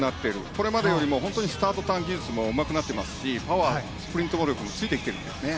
これまでよりもスタート短期術もうまくなっていますしパワー、スプリント力もついてきてますね。